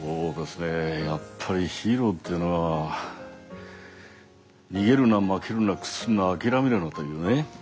やっぱりヒーローというのは逃げるな負けるな屈するな諦めるなというね。